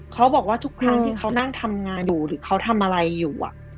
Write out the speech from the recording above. เขาบอกว่าทุกครั้งที่เขานั่งทำงานอยู่หรือเขาทำอะไรอยู่